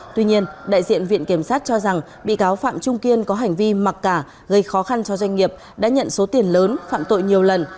tuy nhiên đại diện viện kiểm sát cho rằng bị cáo phạm trung kiên có hành vi mặc cả gây khó khăn cho doanh nghiệp đã nhận số tiền lớn phạm tội nhiều lần